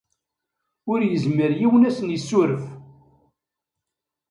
Ur yezmir yiwen ad asen-yessuref.